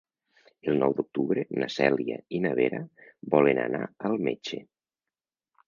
El nou d'octubre na Cèlia i na Vera volen anar al metge.